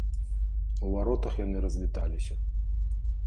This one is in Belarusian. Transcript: У варотах яны развіталіся.